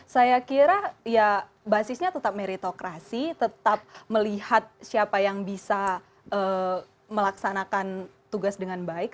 saya kira ya basisnya tetap meritokrasi tetap melihat siapa yang bisa melaksanakan tugas dengan baik